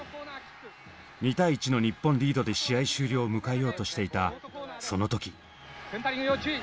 ２対１の日本リードで試合終了を迎えようとしていたその時。